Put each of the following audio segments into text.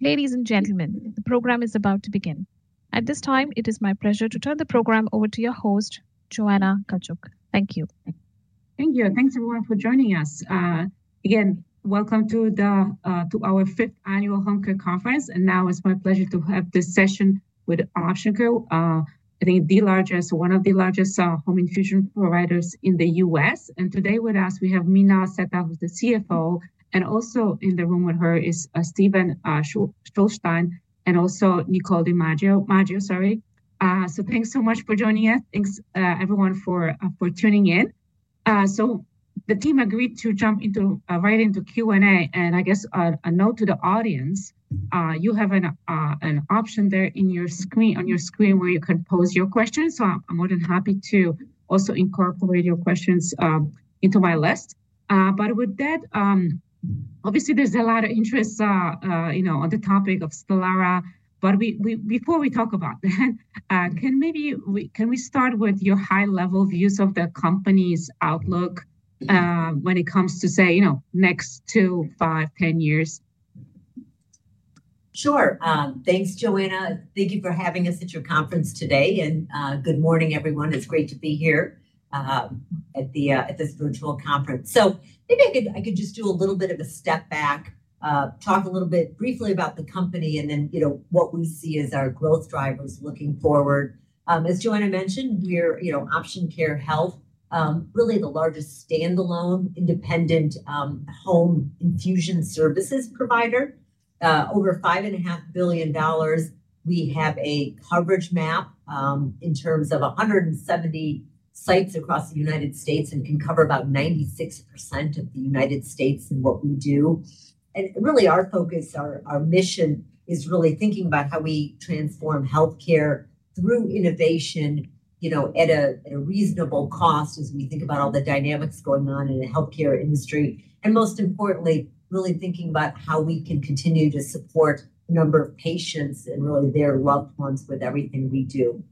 Ladies and gentlemen, the program is about to begin. At this time, it is my pleasure to turn the program over to your host, Joanna Gajuk. Thank you. Thank you. Thanks, everyone, for joining us. Again, welcome to our fifth annual Home Care Conference. And now it's my pleasure to have this session with Option Care, I think the largest, one of the largest home infusion providers in the U.S. And today with us, we have Meenal Sethna, the CFO. And also in the room with her is Stephen Shulstein and also Nicole Maggio, sorry. So thanks so much for joining us. Thanks, everyone, for tuning in. So the team agreed to jump right into Q&A. And I guess a note to the audience, you have an option there on your screen where you can pose your questions. So I'm more than happy to also incorporate your questions into my list. But with that, obviously, there's a lot of interest on the topic of STELARA. But before we talk about that, can maybe we start with your high-level views of the company's outlook when it comes to, say, next two, five, ten years? Sure. Thanks, Joanna. Thank you for having us at your conference today. Good morning, everyone. It's great to be here at this virtual conference. Maybe I could just do a little bit of a step back, talk a little bit briefly about the company, and then what we see as our growth drivers looking forward. As Joanna mentioned, we're Option Care Health, really the largest standalone, independent home infusion services provider. Over $5.5 billion, we have a coverage map in terms of 170 sites across the United States and can cover about 96% of the United States in what we do. Really, our focus, our mission is really thinking about how we transform health care through innovation at a reasonable cost as we think about all the dynamics going on in the health care industry. Most importantly, really thinking about how we can continue to support a number of patients and really their loved ones with everything we do.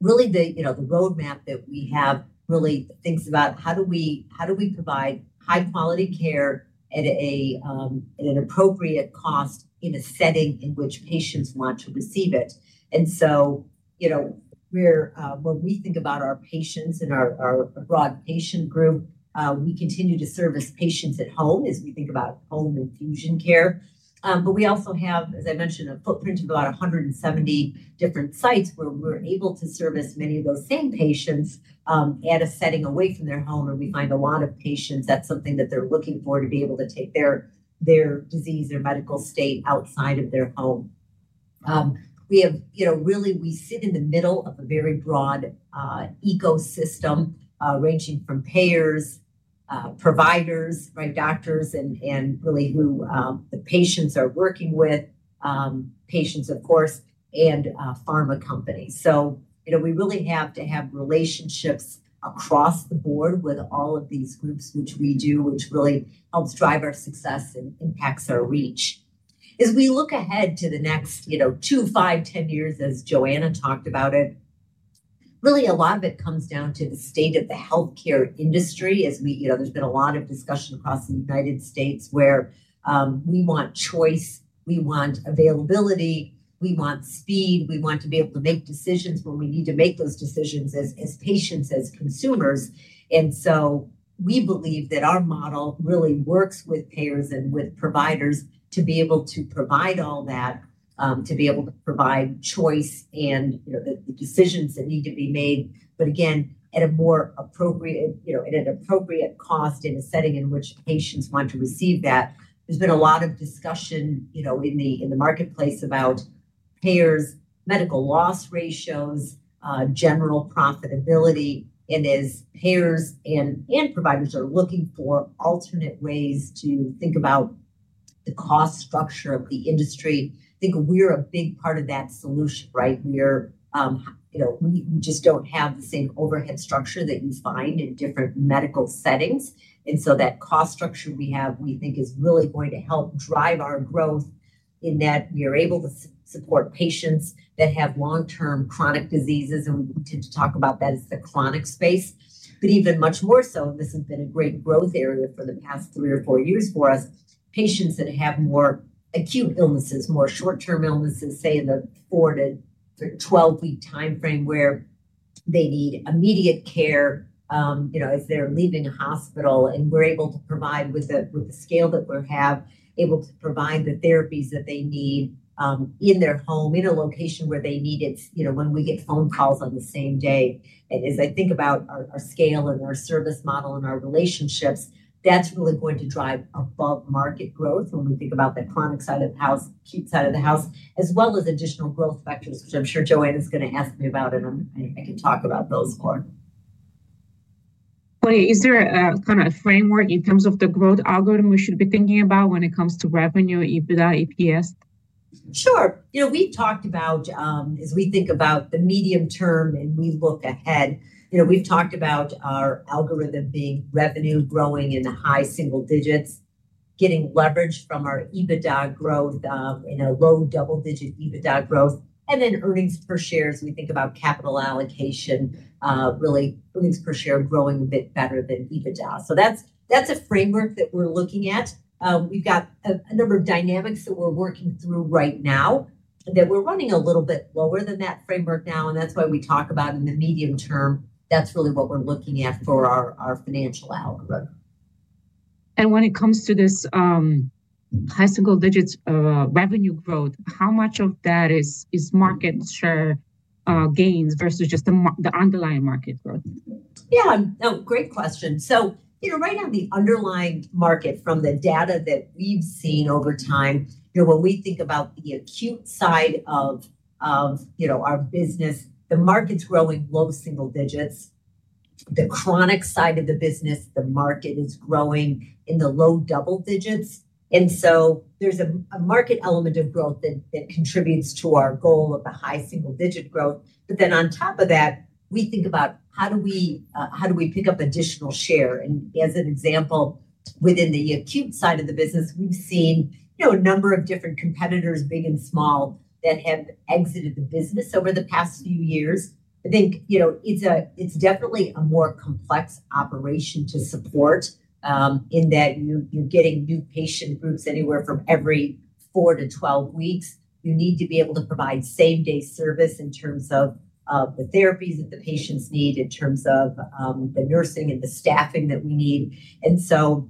Really, the roadmap that we have really thinks about how do we provide high-quality care at an appropriate cost in a setting in which patients want to receive it. So when we think about our patients and our broad patient group, we continue to service patients at home as we think about home infusion care. We also have, as I mentioned, a footprint of about 170 different sites where we're able to service many of those same patients at a setting away from their home. We find a lot of patients, that's something that they're looking for to be able to take their disease, their medical state outside of their home. Really, we sit in the middle of a very broad ecosystem ranging from payers, providers, doctors, and really who the patients are working with, patients, of course, and pharma companies. So we really have to have relationships across the board with all of these groups, which we do, which really helps drive our success and impacts our reach. As we look ahead to the next two, five, ten years, as Joanna talked about it, really a lot of it comes down to the state of the health care industry. There's been a lot of discussion across the United States where we want choice, we want availability, we want speed, we want to be able to make decisions when we need to make those decisions as patients, as consumers. And so we believe that our model really works with payers and with providers to be able to provide all that, to be able to provide choice and the decisions that need to be made. But again, at a more appropriate cost in a setting in which patients want to receive that. There's been a lot of discussion in the marketplace about payers, medical loss ratios, general profitability, and as payers and providers are looking for alternate ways to think about the cost structure of the industry, I think we're a big part of that solution, right? We just don't have the same overhead structure that you find in different medical settings. And so that cost structure we have, we think, is really going to help drive our growth in that we are able to support patients that have long-term chronic diseases. And we tend to talk about that as the chronic space. But even much more so, this has been a great growth area for the past three or four years for us, patients that have more acute illnesses, more short-term illnesses, say, in the four- to 12-week time frame where they need immediate care as they're leaving a hospital. And we're able to provide with the scale that we have, able to provide the therapies that they need in their home, in a location where they need it when we get phone calls on the same day. And as I think about our scale and our service model and our relationships, that's really going to drive above-market growth when we think about the chronic side of the house, acute side of the house, as well as additional growth factors, which I'm sure Joanna's going to ask me about, and I can talk about those more. Is there kind of a framework in terms of the growth algorithm we should be thinking about when it comes to revenue, EBITDA, EPS? Sure. We've talked about, as we think about the medium term and we look ahead, we've talked about our algorithm being revenue growing in the high single-digits, getting leverage from our EBITDA growth, low double-digit EBITDA growth, and then earnings per share as we think about capital allocation, really earnings per share growing a bit better than EBITDA, so that's a framework that we're looking at. We've got a number of dynamics that we're working through right now that we're running a little bit lower than that framework now, and that's why we talk about in the medium term, that's really what we're looking at for our financial algorithm. When it comes to this high single-digit revenue growth, how much of that is market share gains versus just the underlying market growth? Yeah. No, great question. So right on the underlying market, from the data that we've seen over time, when we think about the acute side of our business, the market's growing low single digits. The chronic side of the business, the market is growing in the low double-digits. And so there's a market element of growth that contributes to our goal of the high single digit growth. But then on top of that, we think about how do we pick up additional share. And as an example, within the acute side of the business, we've seen a number of different competitors, big and small, that have exited the business over the past few years. I think it's definitely a more complex operation to support in that you're getting new patient groups anywhere from every four to 12 weeks. You need to be able to provide same-day service in terms of the therapies that the patients need, in terms of the nursing and the staffing that we need, and so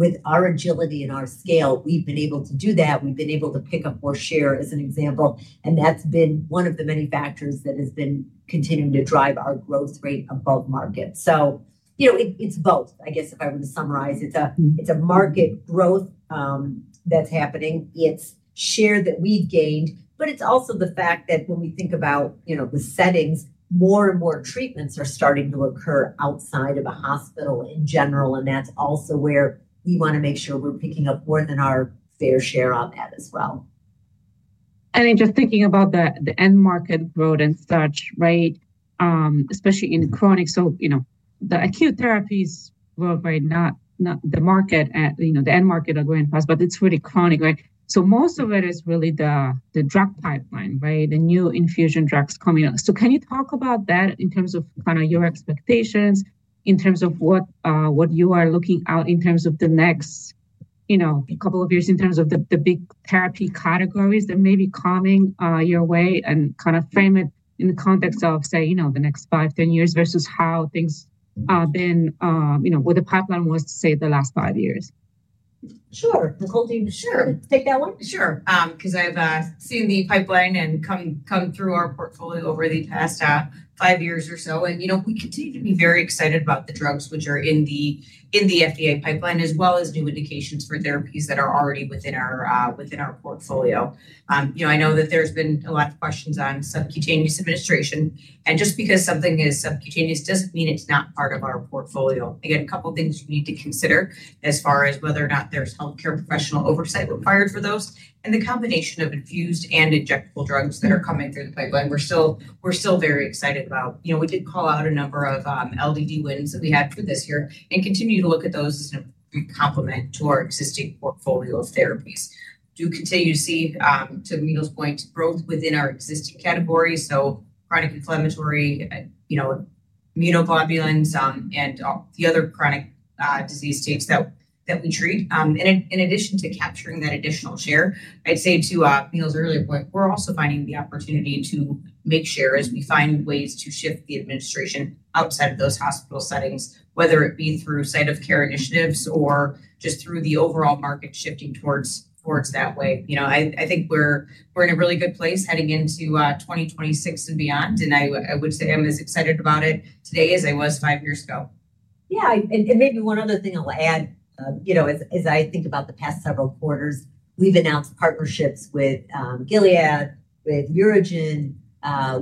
with our agility and our scale, we've been able to do that. We've been able to pick up more share, as an example, and that's been one of the many factors that has been continuing to drive our growth rate above market, so it's both, I guess, if I were to summarize. It's a market growth that's happening, it's share that we've gained, but it's also the fact that when we think about the settings, more and more treatments are starting to occur outside of a hospital in general, and that's also where we want to make sure we're picking up more than our fair share on that as well. I mean, just thinking about the end market growth and such, right, especially in chronic. So the acute therapies growth, right, not the market, the end market are going fast, but it's really chronic, right? So most of it is really the drug pipeline, right, the new infusion drugs coming out. So can you talk about that in terms of kind of your expectations, in terms of what you are looking out in terms of the next couple of years, in terms of the big therapy categories that may be coming your way and kind of frame it in the context of, say, the next five, 10 years versus how things have been with the pipeline was, say, the last five years? Sure. Nicole? Sure. I'll take that one. Sure. Because I've seen the pipeline and come through our portfolio over the past five years or so. And we continue to be very excited about the drugs which are in the FDA pipeline, as well as new indications for therapies that are already within our portfolio. I know that there's been a lot of questions on subcutaneous administration. And just because something is subcutaneous doesn't mean it's not part of our portfolio. Again, a couple of things you need to consider as far as whether or not there's health care professional oversight required for those. And the combination of infused and injectable drugs that are coming through the pipeline, we're still very excited about. We did call out a number of LDD wins that we had for this year and continue to look at those as a complement to our existing portfolio of therapies do continue to see, to Meenal's point, growth within our existing categories, so chronic inflammatory immunoglobulins and the other chronic disease states that we treat, and in addition to capturing that additional share, I'd say to Meenal's earlier point, we're also finding the opportunity to make share as we find ways to shift the administration outside of those hospital settings, whether it be through site-of-care initiatives or just through the overall market shifting towards that way. I think we're in a really good place heading into 2026 and beyond, and I would say I'm as excited about it today as I was five years ago. Yeah. And maybe one other thing I'll add as I think about the past several quarters, we've announced partnerships with Gilead, with UroGen,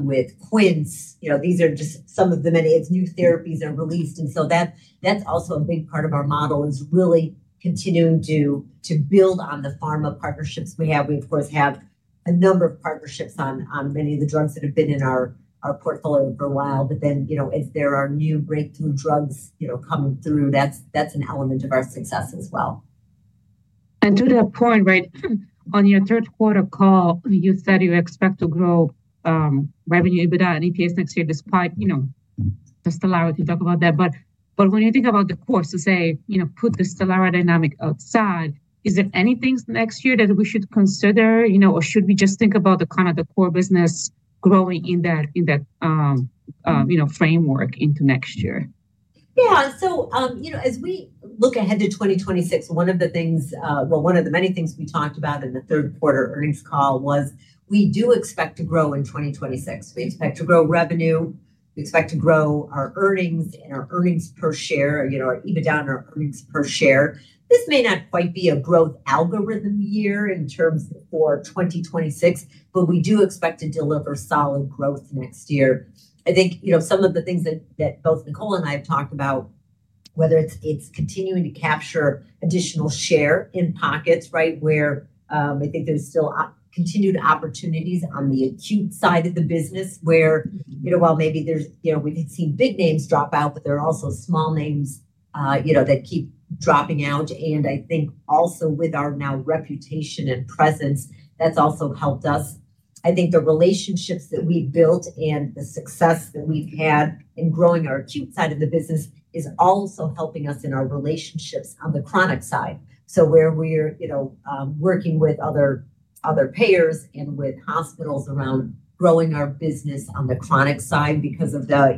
with Quince. These are just some of the many new therapies that are released. And so that's also a big part of our model is really continuing to build on the pharma partnerships we have. We, of course, have a number of partnerships on many of the drugs that have been in our portfolio for a while. But then as there are new breakthrough drugs coming through, that's an element of our success as well. And to that point, right, on your third-quarter call, you said you expect to grow revenue, EBITDA, and EPS next year despite the STELARA. We can talk about that. But when you think about the cost to, say, put the STELARA dynamic outside, is there anything next year that we should consider? Or should we just think about the kind of the core business growing in that framework into next year? Yeah. So as we look ahead to 2026, one of the things, well, one of the many things we talked about in the third-quarter earnings call was we do expect to grow in 2026. We expect to grow revenue. We expect to grow our earnings and our earnings per share, our EBITDA and our earnings per share. This may not quite be a growth algorithm year in terms for 2026, but we do expect to deliver solid growth next year. I think some of the things that both Nicole and I have talked about, whether it's continuing to capture additional share in pockets, right, where I think there's still continued opportunities on the acute side of the business, where, well, maybe we could see big names drop out, but there are also small names that keep dropping out. And I think also with our new reputation and presence, that's also helped us. I think the relationships that we've built and the success that we've had in growing our acute side of the business is also helping us in our relationships on the chronic side. So where we're working with other payers and with hospitals around growing our business on the chronic side because of the,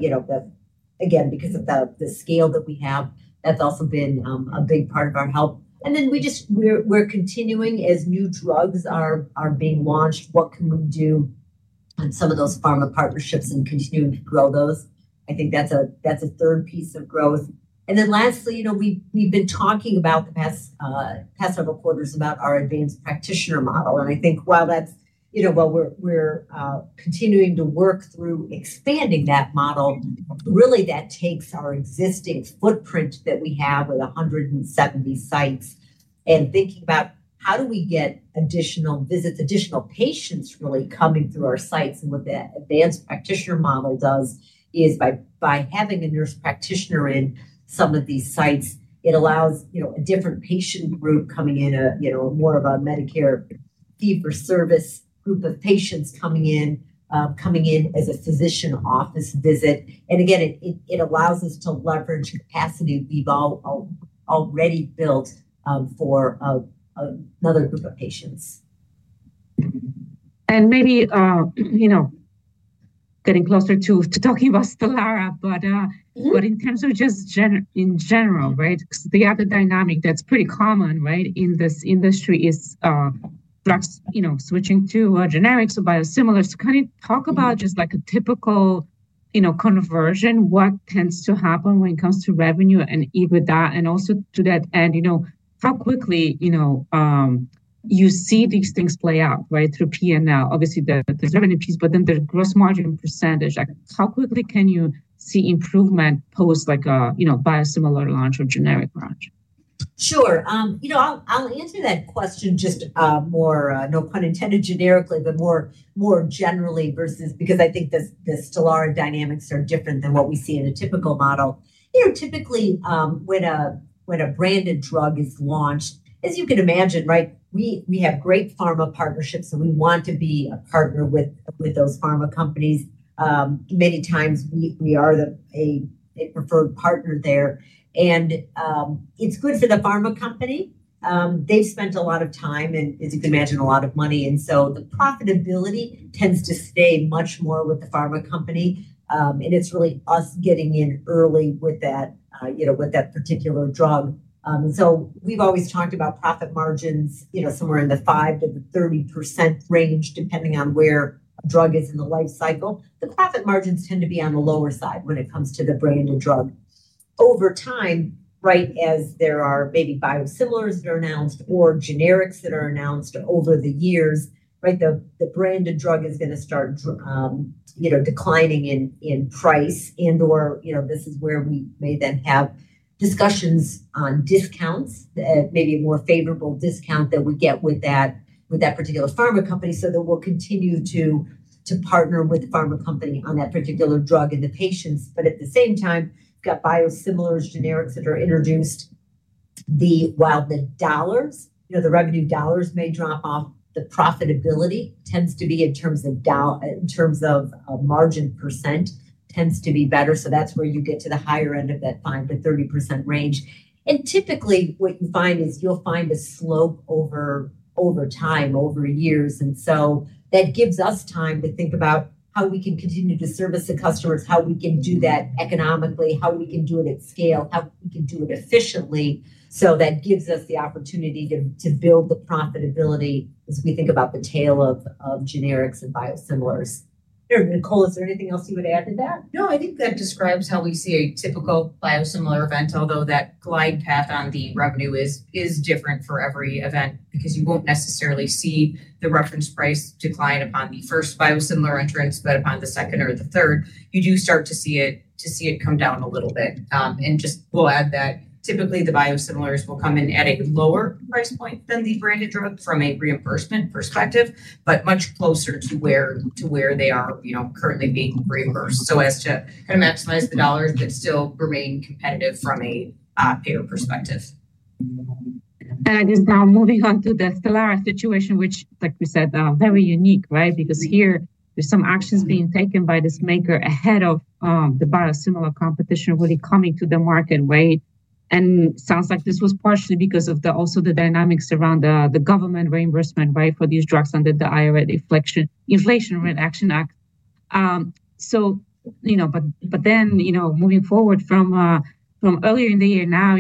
again, because of the scale that we have, that's also been a big part of our help. And then we're continuing, as new drugs are being launched, what can we do on some of those pharma partnerships and continue to grow those. I think that's a third piece of growth. And then lastly, we've been talking about the past several quarters about our advanced practitioner model. I think while we're continuing to work through expanding that model, really that takes our existing footprint that we have with 170 sites and thinking about how do we get additional visits, additional patients really coming through our sites. What the advanced practitioner model does is by having a nurse practitioner in some of these sites, it allows a different patient group coming in, more of a Medicare fee-for-service group of patients coming in as a physician office visit. Again, it allows us to leverage capacity we've already built for another group of patients. And maybe getting closer to talking about STELARA, but in terms of just in general, right, the other dynamic that's pretty common, right, in this industry is drugs switching to generics or biosimilars. Can you talk about just a typical conversion, what tends to happen when it comes to revenue and EBITDA? And also to that end, how quickly you see these things play out, right, through P&L, obviously the revenue piece, but then the gross margin percentage, how quickly can you see improvement post biosimilar launch or generic launch? Sure. I'll answer that question just more, no pun intended, generically, but more generally versus because I think the STELARA dynamics are different than what we see in a typical model. Typically, when a branded drug is launched, as you can imagine, right, we have great pharma partnerships, and we want to be a partner with those pharma companies. Many times, we are a preferred partner there. And it's good for the pharma company. They've spent a lot of time and, as you can imagine, a lot of money. And so the profitability tends to stay much more with the pharma company. And it's really us getting in early with that particular drug. And so we've always talked about profit margins somewhere in the 5%-30% range, depending on where a drug is in the life cycle. The profit margins tend to be on the lower side when it comes to the branded drug. Over time, right, as there are maybe biosimilars that are announced or generics that are announced over the years, right, the branded drug is going to start declining in price and/or this is where we may then have discussions on discounts, maybe a more favorable discount that we get with that particular pharma company so that we'll continue to partner with the pharma company on that particular drug and the patients. But at the same time, you've got biosimilars, generics that are introduced. The revenue dollars may drop off. The profitability tends to be, in terms of margin percent, tends to be better. So that's where you get to the higher end of that 5%-30% range. And typically, what you find is you'll find a slope over time, over years. And so that gives us time to think about how we can continue to service the customers, how we can do that economically, how we can do it at scale, how we can do it efficiently. So that gives us the opportunity to build the profitability as we think about the tail of generics and biosimilars. Nicole, is there anything else you would add to that? No, I think that describes how we see a typical biosimilar event, although that glide path on the revenue is different for every event because you won't necessarily see the reference price decline upon the first biosimilar entrance, but upon the second or the third, you do start to see it come down a little bit. And just we'll add that typically the biosimilars will come in at a lower price point than the branded drug from a reimbursement perspective, but much closer to where they are currently being reimbursed. So as to kind of maximize the dollars, but still remain competitive from a payer perspective. And just now moving on to the STELARA situation, which, like we said, are very unique, right? Because here there's some actions being taken by this maker ahead of the biosimilar competition really coming to the market, right? And it sounds like this was partially because of also the dynamics around the government reimbursement, right, for these drugs under the IRA Inflation Reduction Act. But then moving forward from earlier in the year now,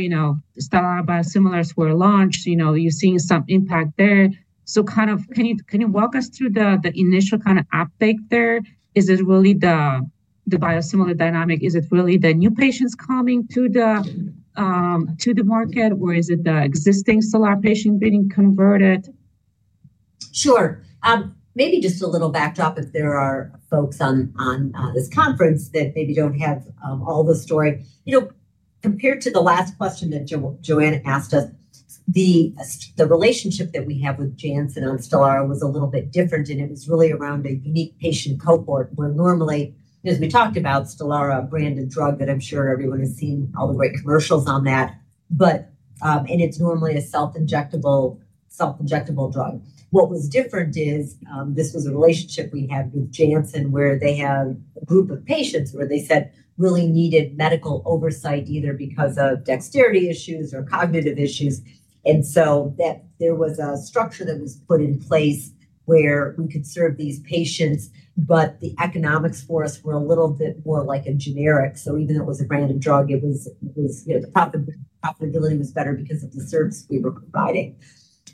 STELARA biosimilars were launched. You're seeing some impact there. So kind of can you walk us through the initial kind of uptake there? Is it really the biosimilar dynamic? Is it really the new patients coming to the market, or is it the existing STELARA patient getting converted? Sure. Maybe just a little backdrop if there are folks on this conference that maybe don't have all the story. Compared to the last question that Joanna asked us, the relationship that we have with Janssen on STELARA was a little bit different, and it was really around a unique patient cohort where normally, as we talked about, STELARA, a branded drug that I'm sure everyone has seen all the great commercials on that, and it's normally a self-injectable drug. What was different is this was a relationship we had with Janssen where they had a group of patients where they said really needed medical oversight either because of dexterity issues or cognitive issues, and so there was a structure that was put in place where we could serve these patients, but the economics for us were a little bit more like a generic. So even though it was a branded drug, the profitability was better because of the service we were providing.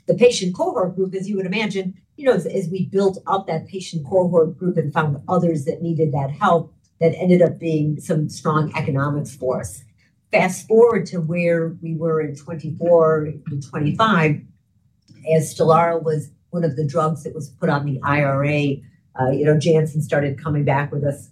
The patient cohort group, as you would imagine, as we built up that patient cohort group and found others that needed that help, that ended up being some strong economics for us. Fast forward to where we were in 2024 to 2025, as STELARA was one of the drugs that was put on the IRA, Janssen started coming back to us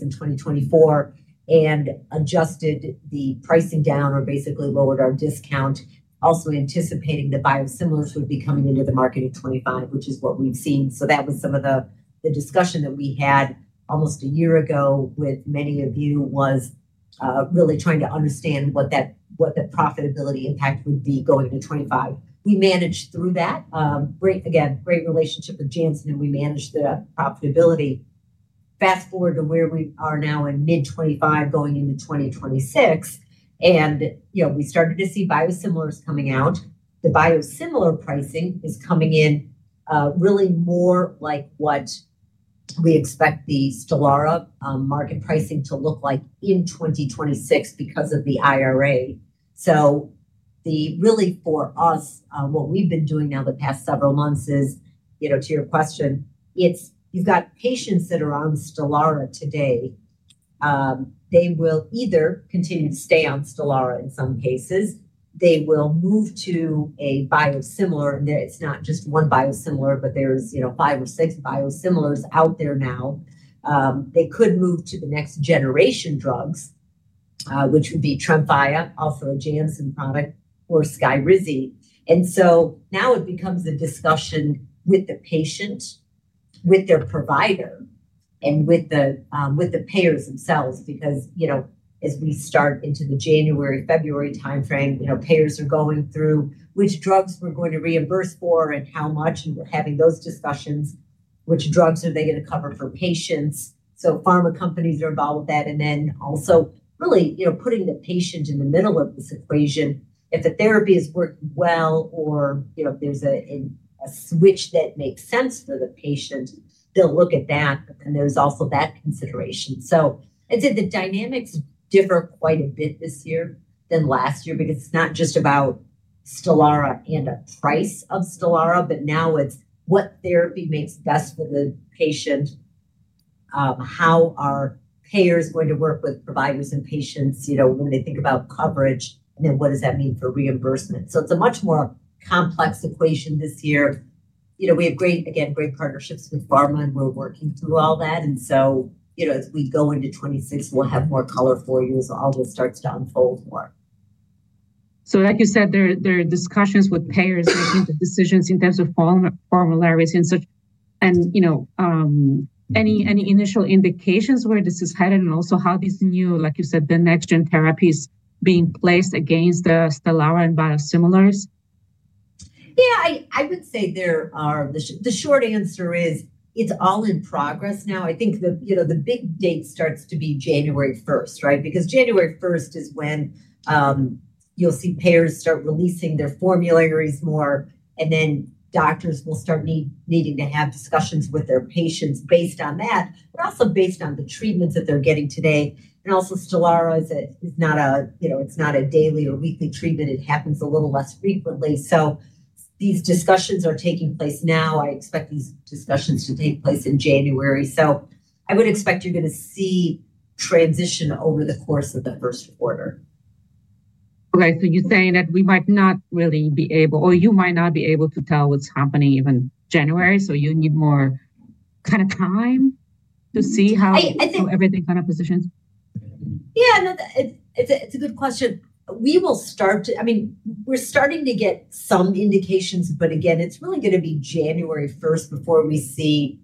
in 2024 and adjusted the pricing down or basically lowered our discount, also anticipating the biosimilars would be coming into the market in 2025, which is what we've seen. So that was some of the discussion that we had almost a year ago with many of you was really trying to understand what the profitability impact would be going into 2025. We managed through that. Again, great relationship with Janssen, and we managed the profitability. Fast forward to where we are now in mid-2025 going into 2026, and we started to see biosimilars coming out. The biosimilar pricing is coming in really more like what we expect the STELARA market pricing to look like in 2026 because of the IRA, so really for us, what we've been doing now the past several months is, to your question, you've got patients that are on STELARA today. They will either continue to stay on STELARA in some cases. They will move to a biosimilar, and it's not just one biosimilar, but there's five or six biosimilars out there now. They could move to the next generation drugs, which would be TREMFYA, also a Janssen product, or SKYRIZI. Now it becomes a discussion with the patient, with their provider, and with the payers themselves because as we start into the January, February timeframe, payers are going through which drugs we're going to reimburse for and how much, and we're having those discussions. Which drugs are they going to cover for patients? Pharma companies are involved with that. Also really putting the patient in the middle of this equation. If the therapy is working well or if there's a switch that makes sense for the patient, they'll look at that. There's also that consideration. So I'd say the dynamics differ quite a bit this year than last year because it's not just about STELARA and a price of STELARA, but now it's what therapy makes best for the patient, how are payers going to work with providers and patients when they think about coverage, and then what does that mean for reimbursement? So it's a much more complex equation this year. We have, again, great partnerships with pharma, and we're working through all that. And so as we go into 2026, we'll have more color for you as all this starts to unfold more. So like you said, there are discussions with payers making the decisions in terms of formularies, and any initial indications where this is headed, and also how these new, like you said, the next-gen therapies being placed against the STELARA and biosimilars? Yeah, I would say the short answer is it's all in progress now. I think the big date starts to be January 1st, right? Because January 1st is when you'll see payers start releasing their formularies more, and then doctors will start needing to have discussions with their patients based on that, but also based on the treatments that they're getting today. And also STELARA is not a daily or weekly treatment. It happens a little less frequently. So these discussions are taking place now. I expect these discussions to take place in January. So I would expect you're going to see transition over the course of the first quarter. Okay. So you're saying that we might not really be able, or you might not be able to tell what's happening even January. So you need more kind of time to see how everything kind of positions? Yeah. No, it's a good question. We will start to, I mean, we're starting to get some indications, but again, it's really going to be January 1st before we see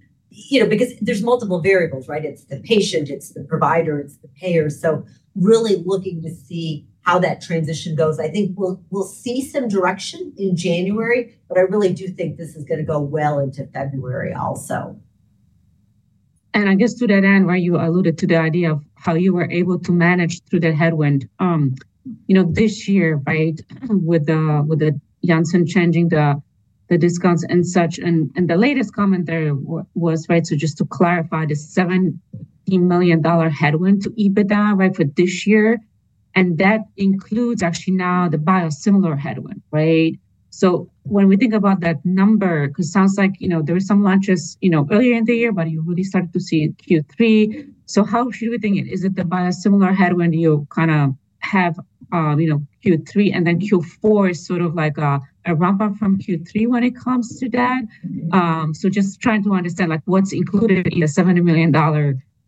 because there's multiple variables, right? It's the patient, it's the provider, it's the payers. So really looking to see how that transition goes. I think we'll see some direction in January, but I really do think this is going to go well into February also. I guess to that end, right, you alluded to the idea of how you were able to manage through the headwind this year, right, with Janssen changing the discounts and such. The latest comment there was, right, so just to clarify, the $70 million headwind to EBITDA, right, for this year. That includes actually now the biosimilar headwind, right? When we think about that number, because it sounds like there were some launches earlier in the year, but you really started to see Q3. How should we think it? Is it the biosimilar headwind you kind of have Q3, and then Q4 is sort of like a ramp-up from Q3 when it comes to that? Just trying to understand what's included in the $70 million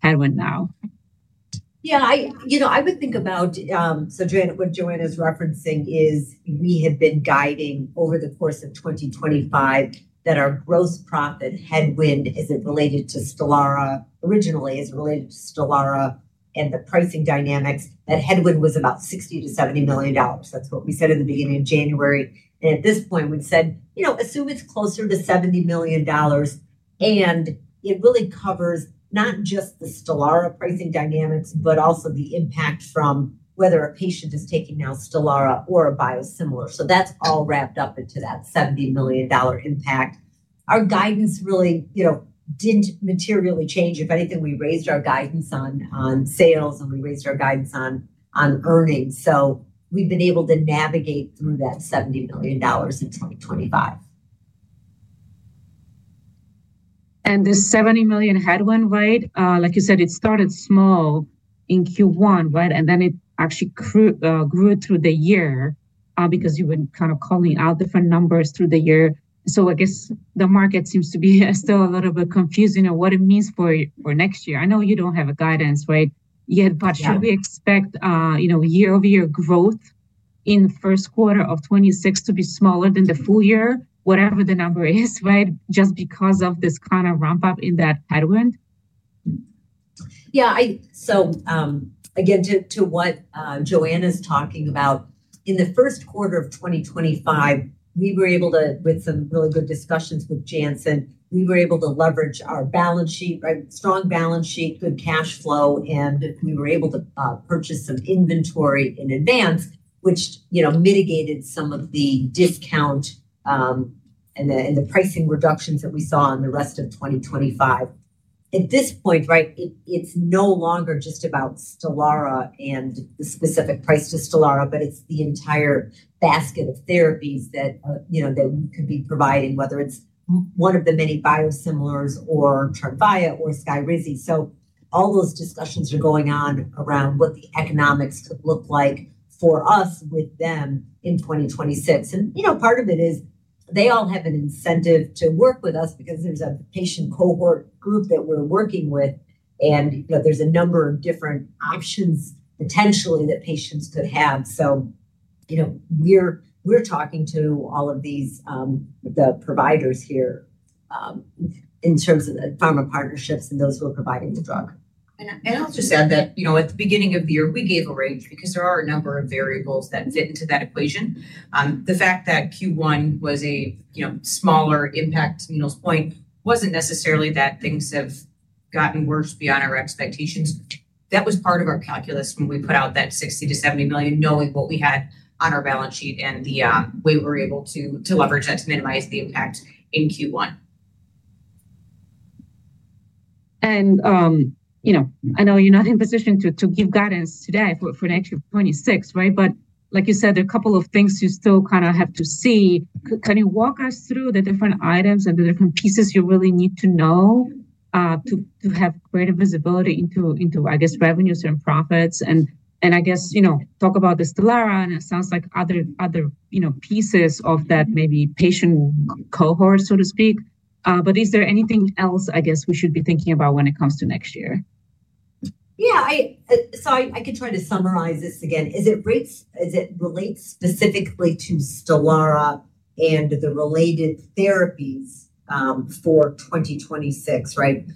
headwind now? Yeah. I would think about what Joanna is referencing is we have been guiding over the course of 2025 that our gross profit headwind isn't related to STELARA originally, is related to STELARA and the pricing dynamics. That headwind was about $60 million-$70 million. That's what we said at the beginning of January, and at this point, we said, "Assume it's closer to $70 million," and it really covers not just the STELARA pricing dynamics, but also the impact from whether a patient is taking now STELARA or a biosimilar. So that's all wrapped up into that $70 million impact. Our guidance really didn't materially change. If anything, we raised our guidance on sales, and we raised our guidance on earnings, so we've been able to navigate through that $70 million in 2025. And this $70 million headwind, right, like you said, it started small in Q1, right? And then it actually grew through the year because you've been kind of calling out different numbers through the year. So I guess the market seems to be still a little bit confusing on what it means for next year. I know you don't have a guidance, right? But should we expect year-over-year growth in the first quarter of 2026 to be smaller than the full year, whatever the number is, right, just because of this kind of ramp-up in that headwind? Yeah. So again, to what Joanna is talking about, in the first quarter of 2025, we were able to, with some really good discussions with Janssen, we were able to leverage our balance sheet, right, strong balance sheet, good cash flow, and we were able to purchase some inventory in advance, which mitigated some of the discount and the pricing reductions that we saw in the rest of 2025. At this point, right, it's no longer just about STELARA and the specific price to STELARA, but it's the entire basket of therapies that we could be providing, whether it's one of the many biosimilars or TREMFYA or SKYRIZI. So all those discussions are going on around what the economics could look like for us with them in 2026. And part of it is they all have an incentive to work with us because there's a patient cohort group that we're working with, and there's a number of different options potentially that patients could have. So we're talking to all of the providers here in terms of the pharma partnerships and those who are providing the drug. And I'll just add that at the beginning of the year, we gave a range because there are a number of variables that fit into that equation. The fact that Q1 was a smaller impact to Meenal's point wasn't necessarily that things have gotten worse beyond our expectations. That was part of our calculus when we put out that $60 million-$70 million, knowing what we had on our balance sheet and the way we were able to leverage that to minimize the impact in Q1. I know you're not in a position to give guidance today for next year 2026, right? But like you said, there are a couple of things you still kind of have to see. Can you walk us through the different items and the different pieces you really need to know to have greater visibility into, I guess, revenues and profits? And I guess talk about the STELARA, and it sounds like other pieces of that maybe patient cohort, so to speak. But is there anything else, I guess, we should be thinking about when it comes to next year? Yeah. So I could try to summarize this again. As it relates specifically to STELARA and the related therapies for 2026, right?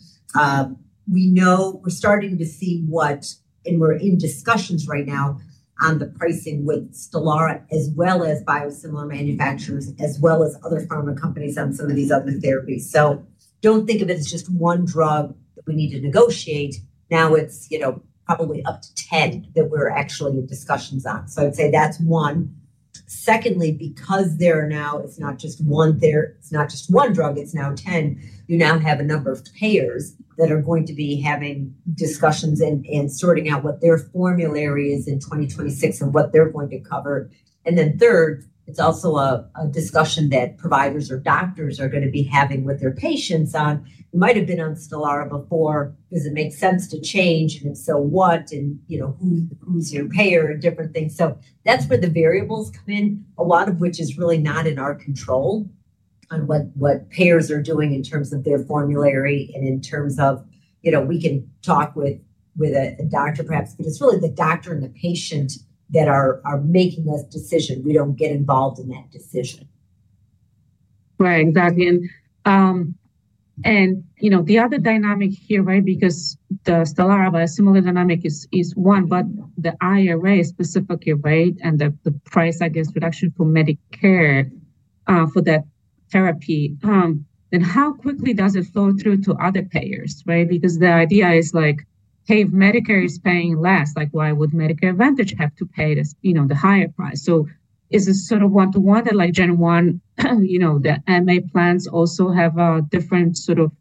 We know we're starting to see what, and we're in discussions right now on the pricing with STELARA as well as biosimilar manufacturers, as well as other pharma companies on some of these other therapies. So don't think of it as just one drug that we need to negotiate. Now it's probably up to 10 that we're actually in discussions on. So I'd say that's one. Secondly, because there now, it's not just one there, it's not just one drug, it's now 10. You now have a number of payers that are going to be having discussions and sorting out what their formulary is in 2026 and what they're going to cover. And then third, it's also a discussion that providers or doctors are going to be having with their patients on. You might have been on STELARA before. Does it make sense to change? And if so, what? And who's your payer and different things? So that's where the variables come in, a lot of which is really not in our control on what payers are doing in terms of their formulary and in terms of we can talk with a doctor, perhaps, but it's really the doctor and the patient that are making that decision. We don't get involved in that decision. Right. Exactly. And the other dynamic here, right, because the STELARA biosimilar dynamic is one, but the IRA specifically, right, and the price, I guess, reduction for Medicare for that therapy, then how quickly does it flow through to other payers, right? Because the idea is like, hey, if Medicare is paying less, why would Medicare Advantage have to pay the higher price? So is it sort of one-to-one that like January 1, the MA plans also have a different sort of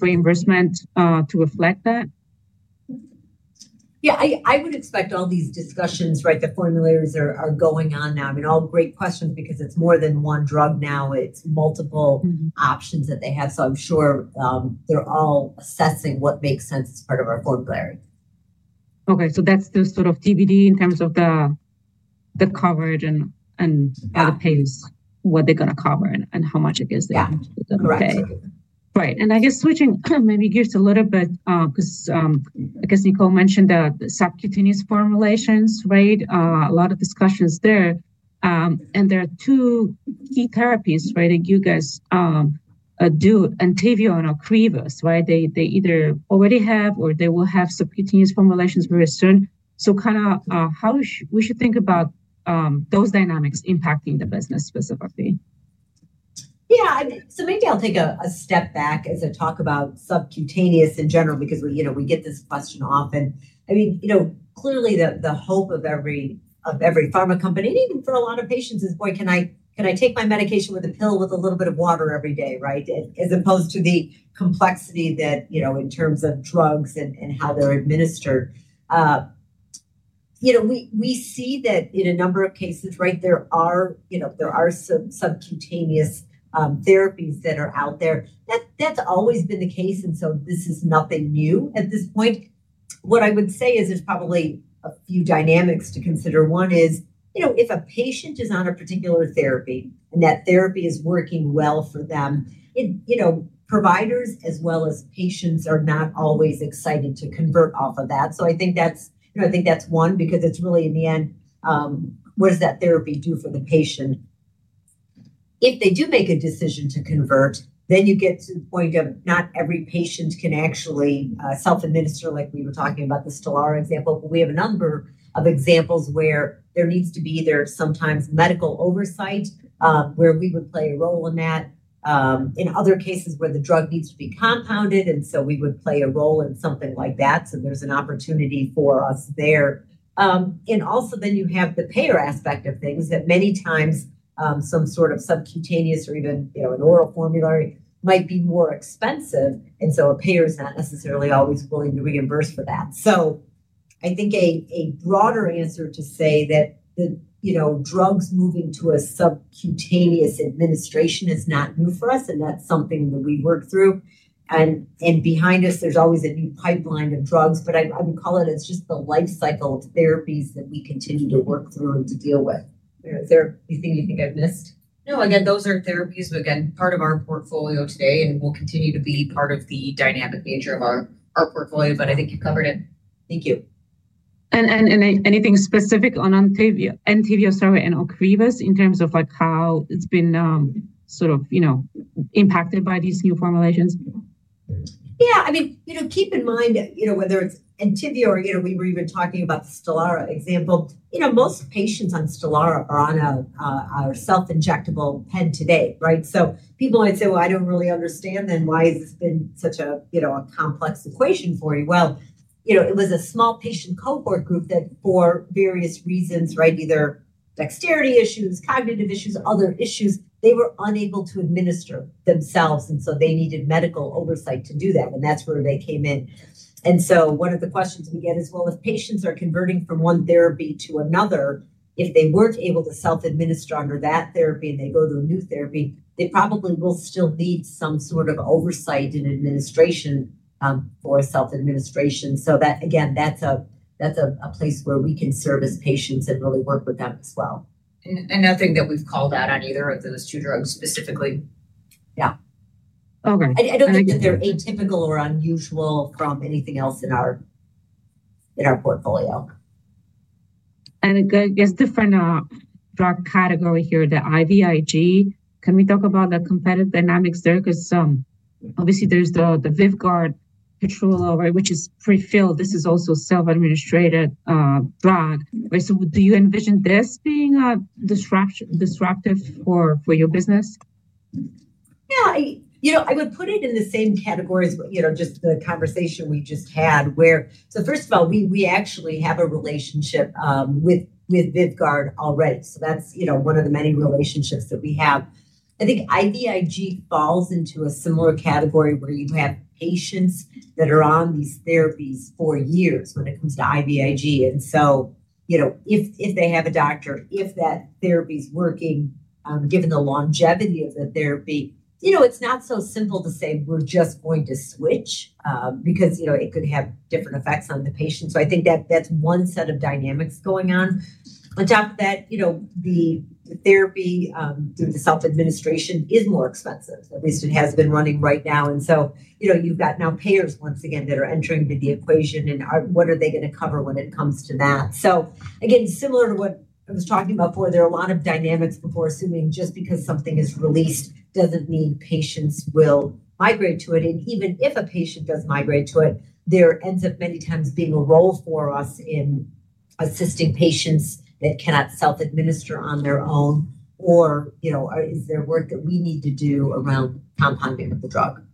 reimbursement to reflect that? Yeah. I would expect all these discussions, right? The formularies are going on now. I mean, all great questions because it's more than one drug now. It's multiple options that they have. So I'm sure they're all assessing what makes sense as part of our formulary. Okay. So that's the sort of TBD in terms of the coverage and the pays, what they're going to cover and how much it is they have to pay. Yeah. Correct. Right. And I guess switching maybe gears a little bit because I guess Nicole mentioned the subcutaneous formulations, right? A lot of discussions there. And there are two key therapies, right, that you guys do, ENTYVIO and OCREVUS, right? They either already have or they will have subcutaneous formulations very soon. So kind of how we should think about those dynamics impacting the business specifically? Yeah, so maybe I'll take a step back as I talk about subcutaneous in general because we get this question often. I mean, clearly, the hope of every pharma company, and even for a lot of patients, is, boy, can I take my medication with a pill with a little bit of water every day, right? As opposed to the complexity that in terms of drugs and how they're administered. We see that in a number of cases, right? There are subcutaneous therapies that are out there. That's always been the case, and so this is nothing new at this point. What I would say is there's probably a few dynamics to consider. One is if a patient is on a particular therapy and that therapy is working well for them, providers as well as patients are not always excited to convert off of that. So I think that's one because it's really, in the end, what does that therapy do for the patient? If they do make a decision to convert, then you get to the point of not every patient can actually self-administer like we were talking about the STELARA example, but we have a number of examples where there needs to be either sometimes medical oversight where we would play a role in that, in other cases where the drug needs to be compounded, and so we would play a role in something like that, so there's an opportunity for us there, and also then you have the payer aspect of things that many times some sort of subcutaneous or even an oral formulary might be more expensive, and so a payer is not necessarily always willing to reimburse for that. I think a broader answer to say that drugs moving to a subcutaneous administration is not new for us, and that's something that we work through. Behind us, there's always a new pipeline of drugs, but I would call it, it's just the life cycle of therapies that we continue to work through and to deal with. Is there anything you think I've missed? No, again, those are therapies again, part of our portfolio today, and we'll continue to be part of the dynamic nature of our portfolio, but I think you covered it. Thank you. Anything specific on ENTYVIO, sorry, and OCREVUS in terms of how it's been sort of impacted by these new formulations? Yeah. I mean, keep in mind whether it's ENTYVIO or we were even talking about the STELARA example, most patients on STELARA are on our self-injectable pen today, right? So people might say, "Well, I don't really understand then why has this been such a complex equation for you?" Well, it was a small patient cohort group that for various reasons, right, either dexterity issues, cognitive issues, other issues, they were unable to administer themselves. And so they needed medical oversight to do that. And that's where they came in. And so one of the questions we get is, well, if patients are converting from one therapy to another, if they weren't able to self-administer under that therapy and they go to a new therapy, they probably will still need some sort of oversight and administration for self-administration. So that, again, that's a place where we can service patients and really work with them as well. Nothing that we've called out on either of those two drugs specifically. Yeah. I don't think that they're atypical or unusual from anything else in our portfolio. And I guess different drug category here, the IVIG. Can we talk about the competitive dynamics there? Because obviously, there's the VYVGART, right, which is prefilled. This is also a self-administered drug. Right? So do you envision this being disruptive for your business? Yeah. I would put it in the same category as just the conversation we just had where, so first of all, we actually have a relationship with VYVGART already. So that's one of the many relationships that we have. I think IVIG falls into a similar category where you have patients that are on these therapies for years when it comes to IVIG. And so if they have a doctor, if that therapy is working, given the longevity of the therapy, it's not so simple to say we're just going to switch because it could have different effects on the patient. So I think that's one set of dynamics going on. On top of that, the therapy through the self-administration is more expensive. At least it has been running right now. And so you've got now payers once again that are entering into the equation, and what are they going to cover when it comes to that? So again, similar to what I was talking about before, there are a lot of dynamics before assuming just because something is released doesn't mean patients will migrate to it. And even if a patient does migrate to it, there ends up many times being a role for us in assisting patients that cannot self-administer on their own, or is there work that we need to do around compounding of the drug?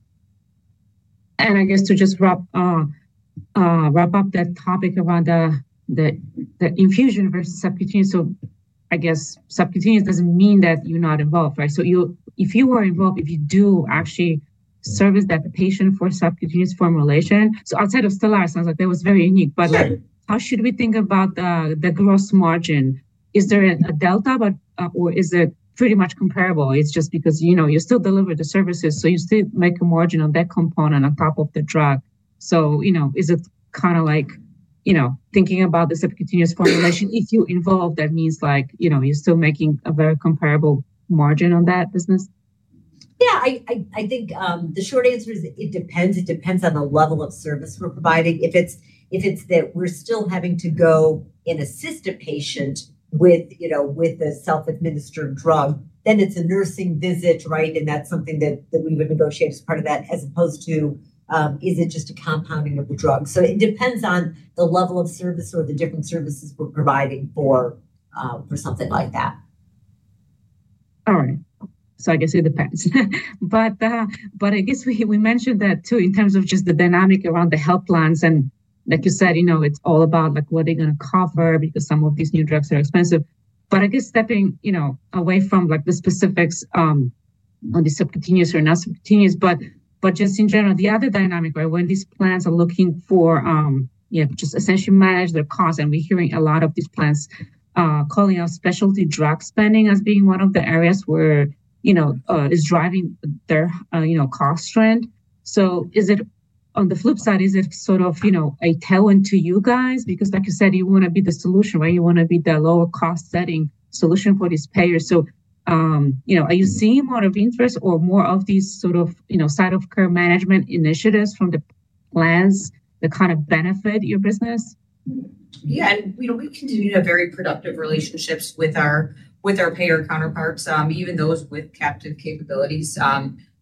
I guess to just wrap up that topic around the infusion versus subcutaneous, so I guess subcutaneous doesn't mean that you're not involved, right? So if you are involved, if you do actually service that patient for subcutaneous formulation, so outside of STELARA, it sounds like that was very unique, but how should we think about the gross margin? Is there a delta, or is it pretty much comparable? It's just because you still deliver the services, so you still make a margin on that component on top of the drug. So is it kind of like thinking about the subcutaneous formulation, if you're involved, that means you're still making a very comparable margin on that business? Yeah. I think the short answer is it depends. It depends on the level of service we're providing. If it's that we're still having to go and assist a patient with a self-administered drug, then it's a nursing visit, right? And that's something that we would negotiate as part of that as opposed to, is it just a compounding of the drug? So it depends on the level of service or the different services we're providing for something like that. All right. So I guess it depends. But I guess we mentioned that too in terms of just the dynamic around the health plans. And like you said, it's all about what are they going to cover because some of these new drugs are expensive. But I guess stepping away from the specifics on the subcutaneous or non-subcutaneous, but just in general, the other dynamic, right, when these plans are looking for just essentially manage their costs. And we're hearing a lot of these plans calling out specialty drug spending as being one of the areas where it's driving their cost trend. So on the flip side, is it sort of a tailwind to you guys? Because like you said, you want to be the solution, right? You want to be the lower-cost-setting solution for these payers. Are you seeing more interest or more of these sort of site-of-care management initiatives from the plans that kind of benefit your business? Yeah. And we continue to have very productive relationships with our payer counterparts, even those with captive capabilities.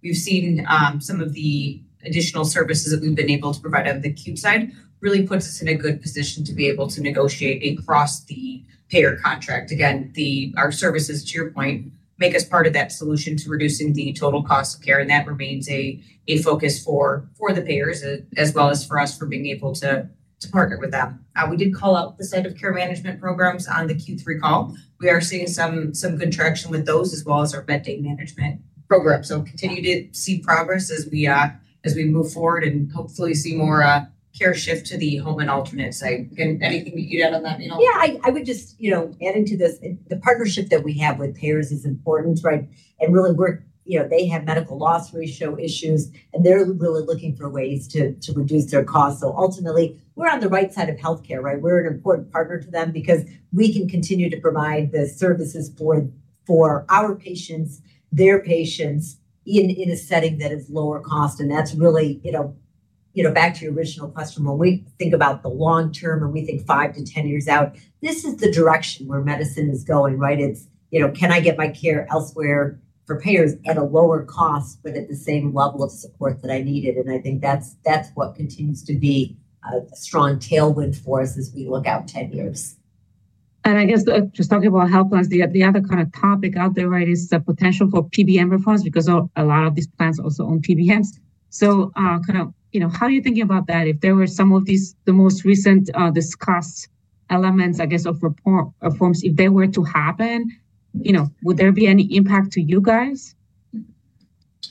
We've seen some of the additional services that we've been able to provide on the acute side really puts us in a good position to be able to negotiate across the payer contract. Again, our services, to your point, make us part of that solution to reducing the total cost of care. And that remains a focus for the payers as well as for us for being able to partner with them. We did call out the site-of-care management programs on the Q3 call. We are seeing some contraction with those as well as our Med D management program. So continue to see progress as we move forward and hopefully see more care shift to the home and alternate site. Again, anything that you had on that? Yeah. I would just add into this, the partnership that we have with payers is important, right? And really, they have medical loss ratio issues, and they're really looking for ways to reduce their costs, so ultimately, we're on the right side of healthcare, right? We're an important partner to them because we can continue to provide the services for our patients, their patients in a setting that is lower cost, and that's really back to your original question. When we think about the long term and we think 5 to 10 years out, this is the direction where medicine is going, right? It's, can I get my care elsewhere for payers at a lower cost, but at the same level of support that I needed? And I think that's what continues to be a strong tailwind for us as we look out 10 years. I guess just talking about health plans, the other kind of topic out there, right, is the potential for PBM reforms because a lot of these plans also own PBMs. Kind of how are you thinking about that? If there were some of the most recent discussed elements, I guess, of reforms, if they were to happen, would there be any impact to you guys?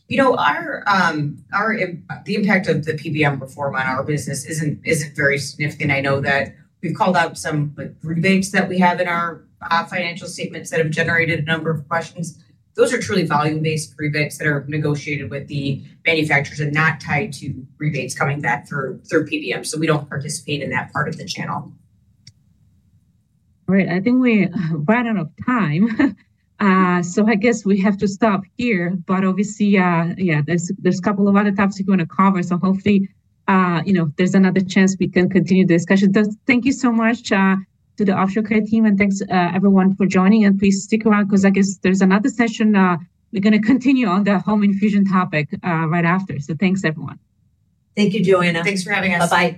You know, the impact of the PBM reform on our business isn't very significant. I know that we've called out some rebates that we have in our financial statements that have generated a number of questions. Those are truly value-based rebates that are negotiated with the manufacturers and not tied to rebates coming back through PBM. So we don't participate in that part of the channel. All right. I think we ran out of time. So I guess we have to stop here. But obviously, yeah, there's a couple of other topics we want to cover. So hopefully, if there's another chance, we can continue the discussion. Thank you so much to the Option Care Team. And thanks, everyone, for joining. And please stick around because I guess there's another session. We're going to continue on the home infusion topic right after. So thanks, everyone. Thank you, Joanna. Thanks for having us. Bye.